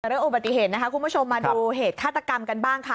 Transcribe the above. เรื่องอุบัติเหตุนะคะคุณผู้ชมมาดูเหตุฆาตกรรมกันบ้างค่ะ